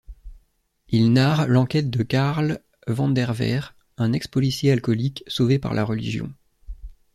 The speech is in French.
Il narre l’enquête de Carl Vanderveer, un ex-policier alcoolique sauvé par la religion.